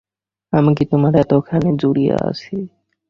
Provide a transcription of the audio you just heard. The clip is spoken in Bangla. আমি কি তোমারএতখানি জুড়িয়া আছি।